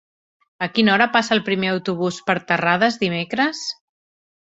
A quina hora passa el primer autobús per Terrades dimecres?